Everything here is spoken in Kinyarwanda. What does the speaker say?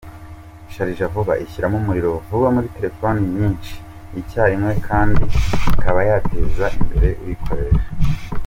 Sharja vuba ishyira umuriro muri telefoni nyinshi icyarimwe, kandi ikaba yateza imbere uyikoresha.